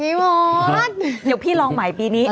เดี๋ยวพี่ลองใหม่ปีนี้